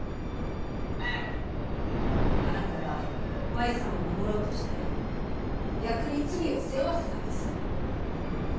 あなたは麻友さんを守ろうとして逆に罪を背負わせたんです。